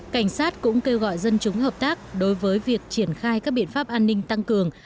cảnh sát cũng kêu gọi dân chúng hợp tác đối với việc triển khai các biện pháp an ninh tăng cường